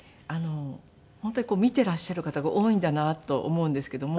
本当に見ていらっしゃる方が多いんだなと思うんですけども。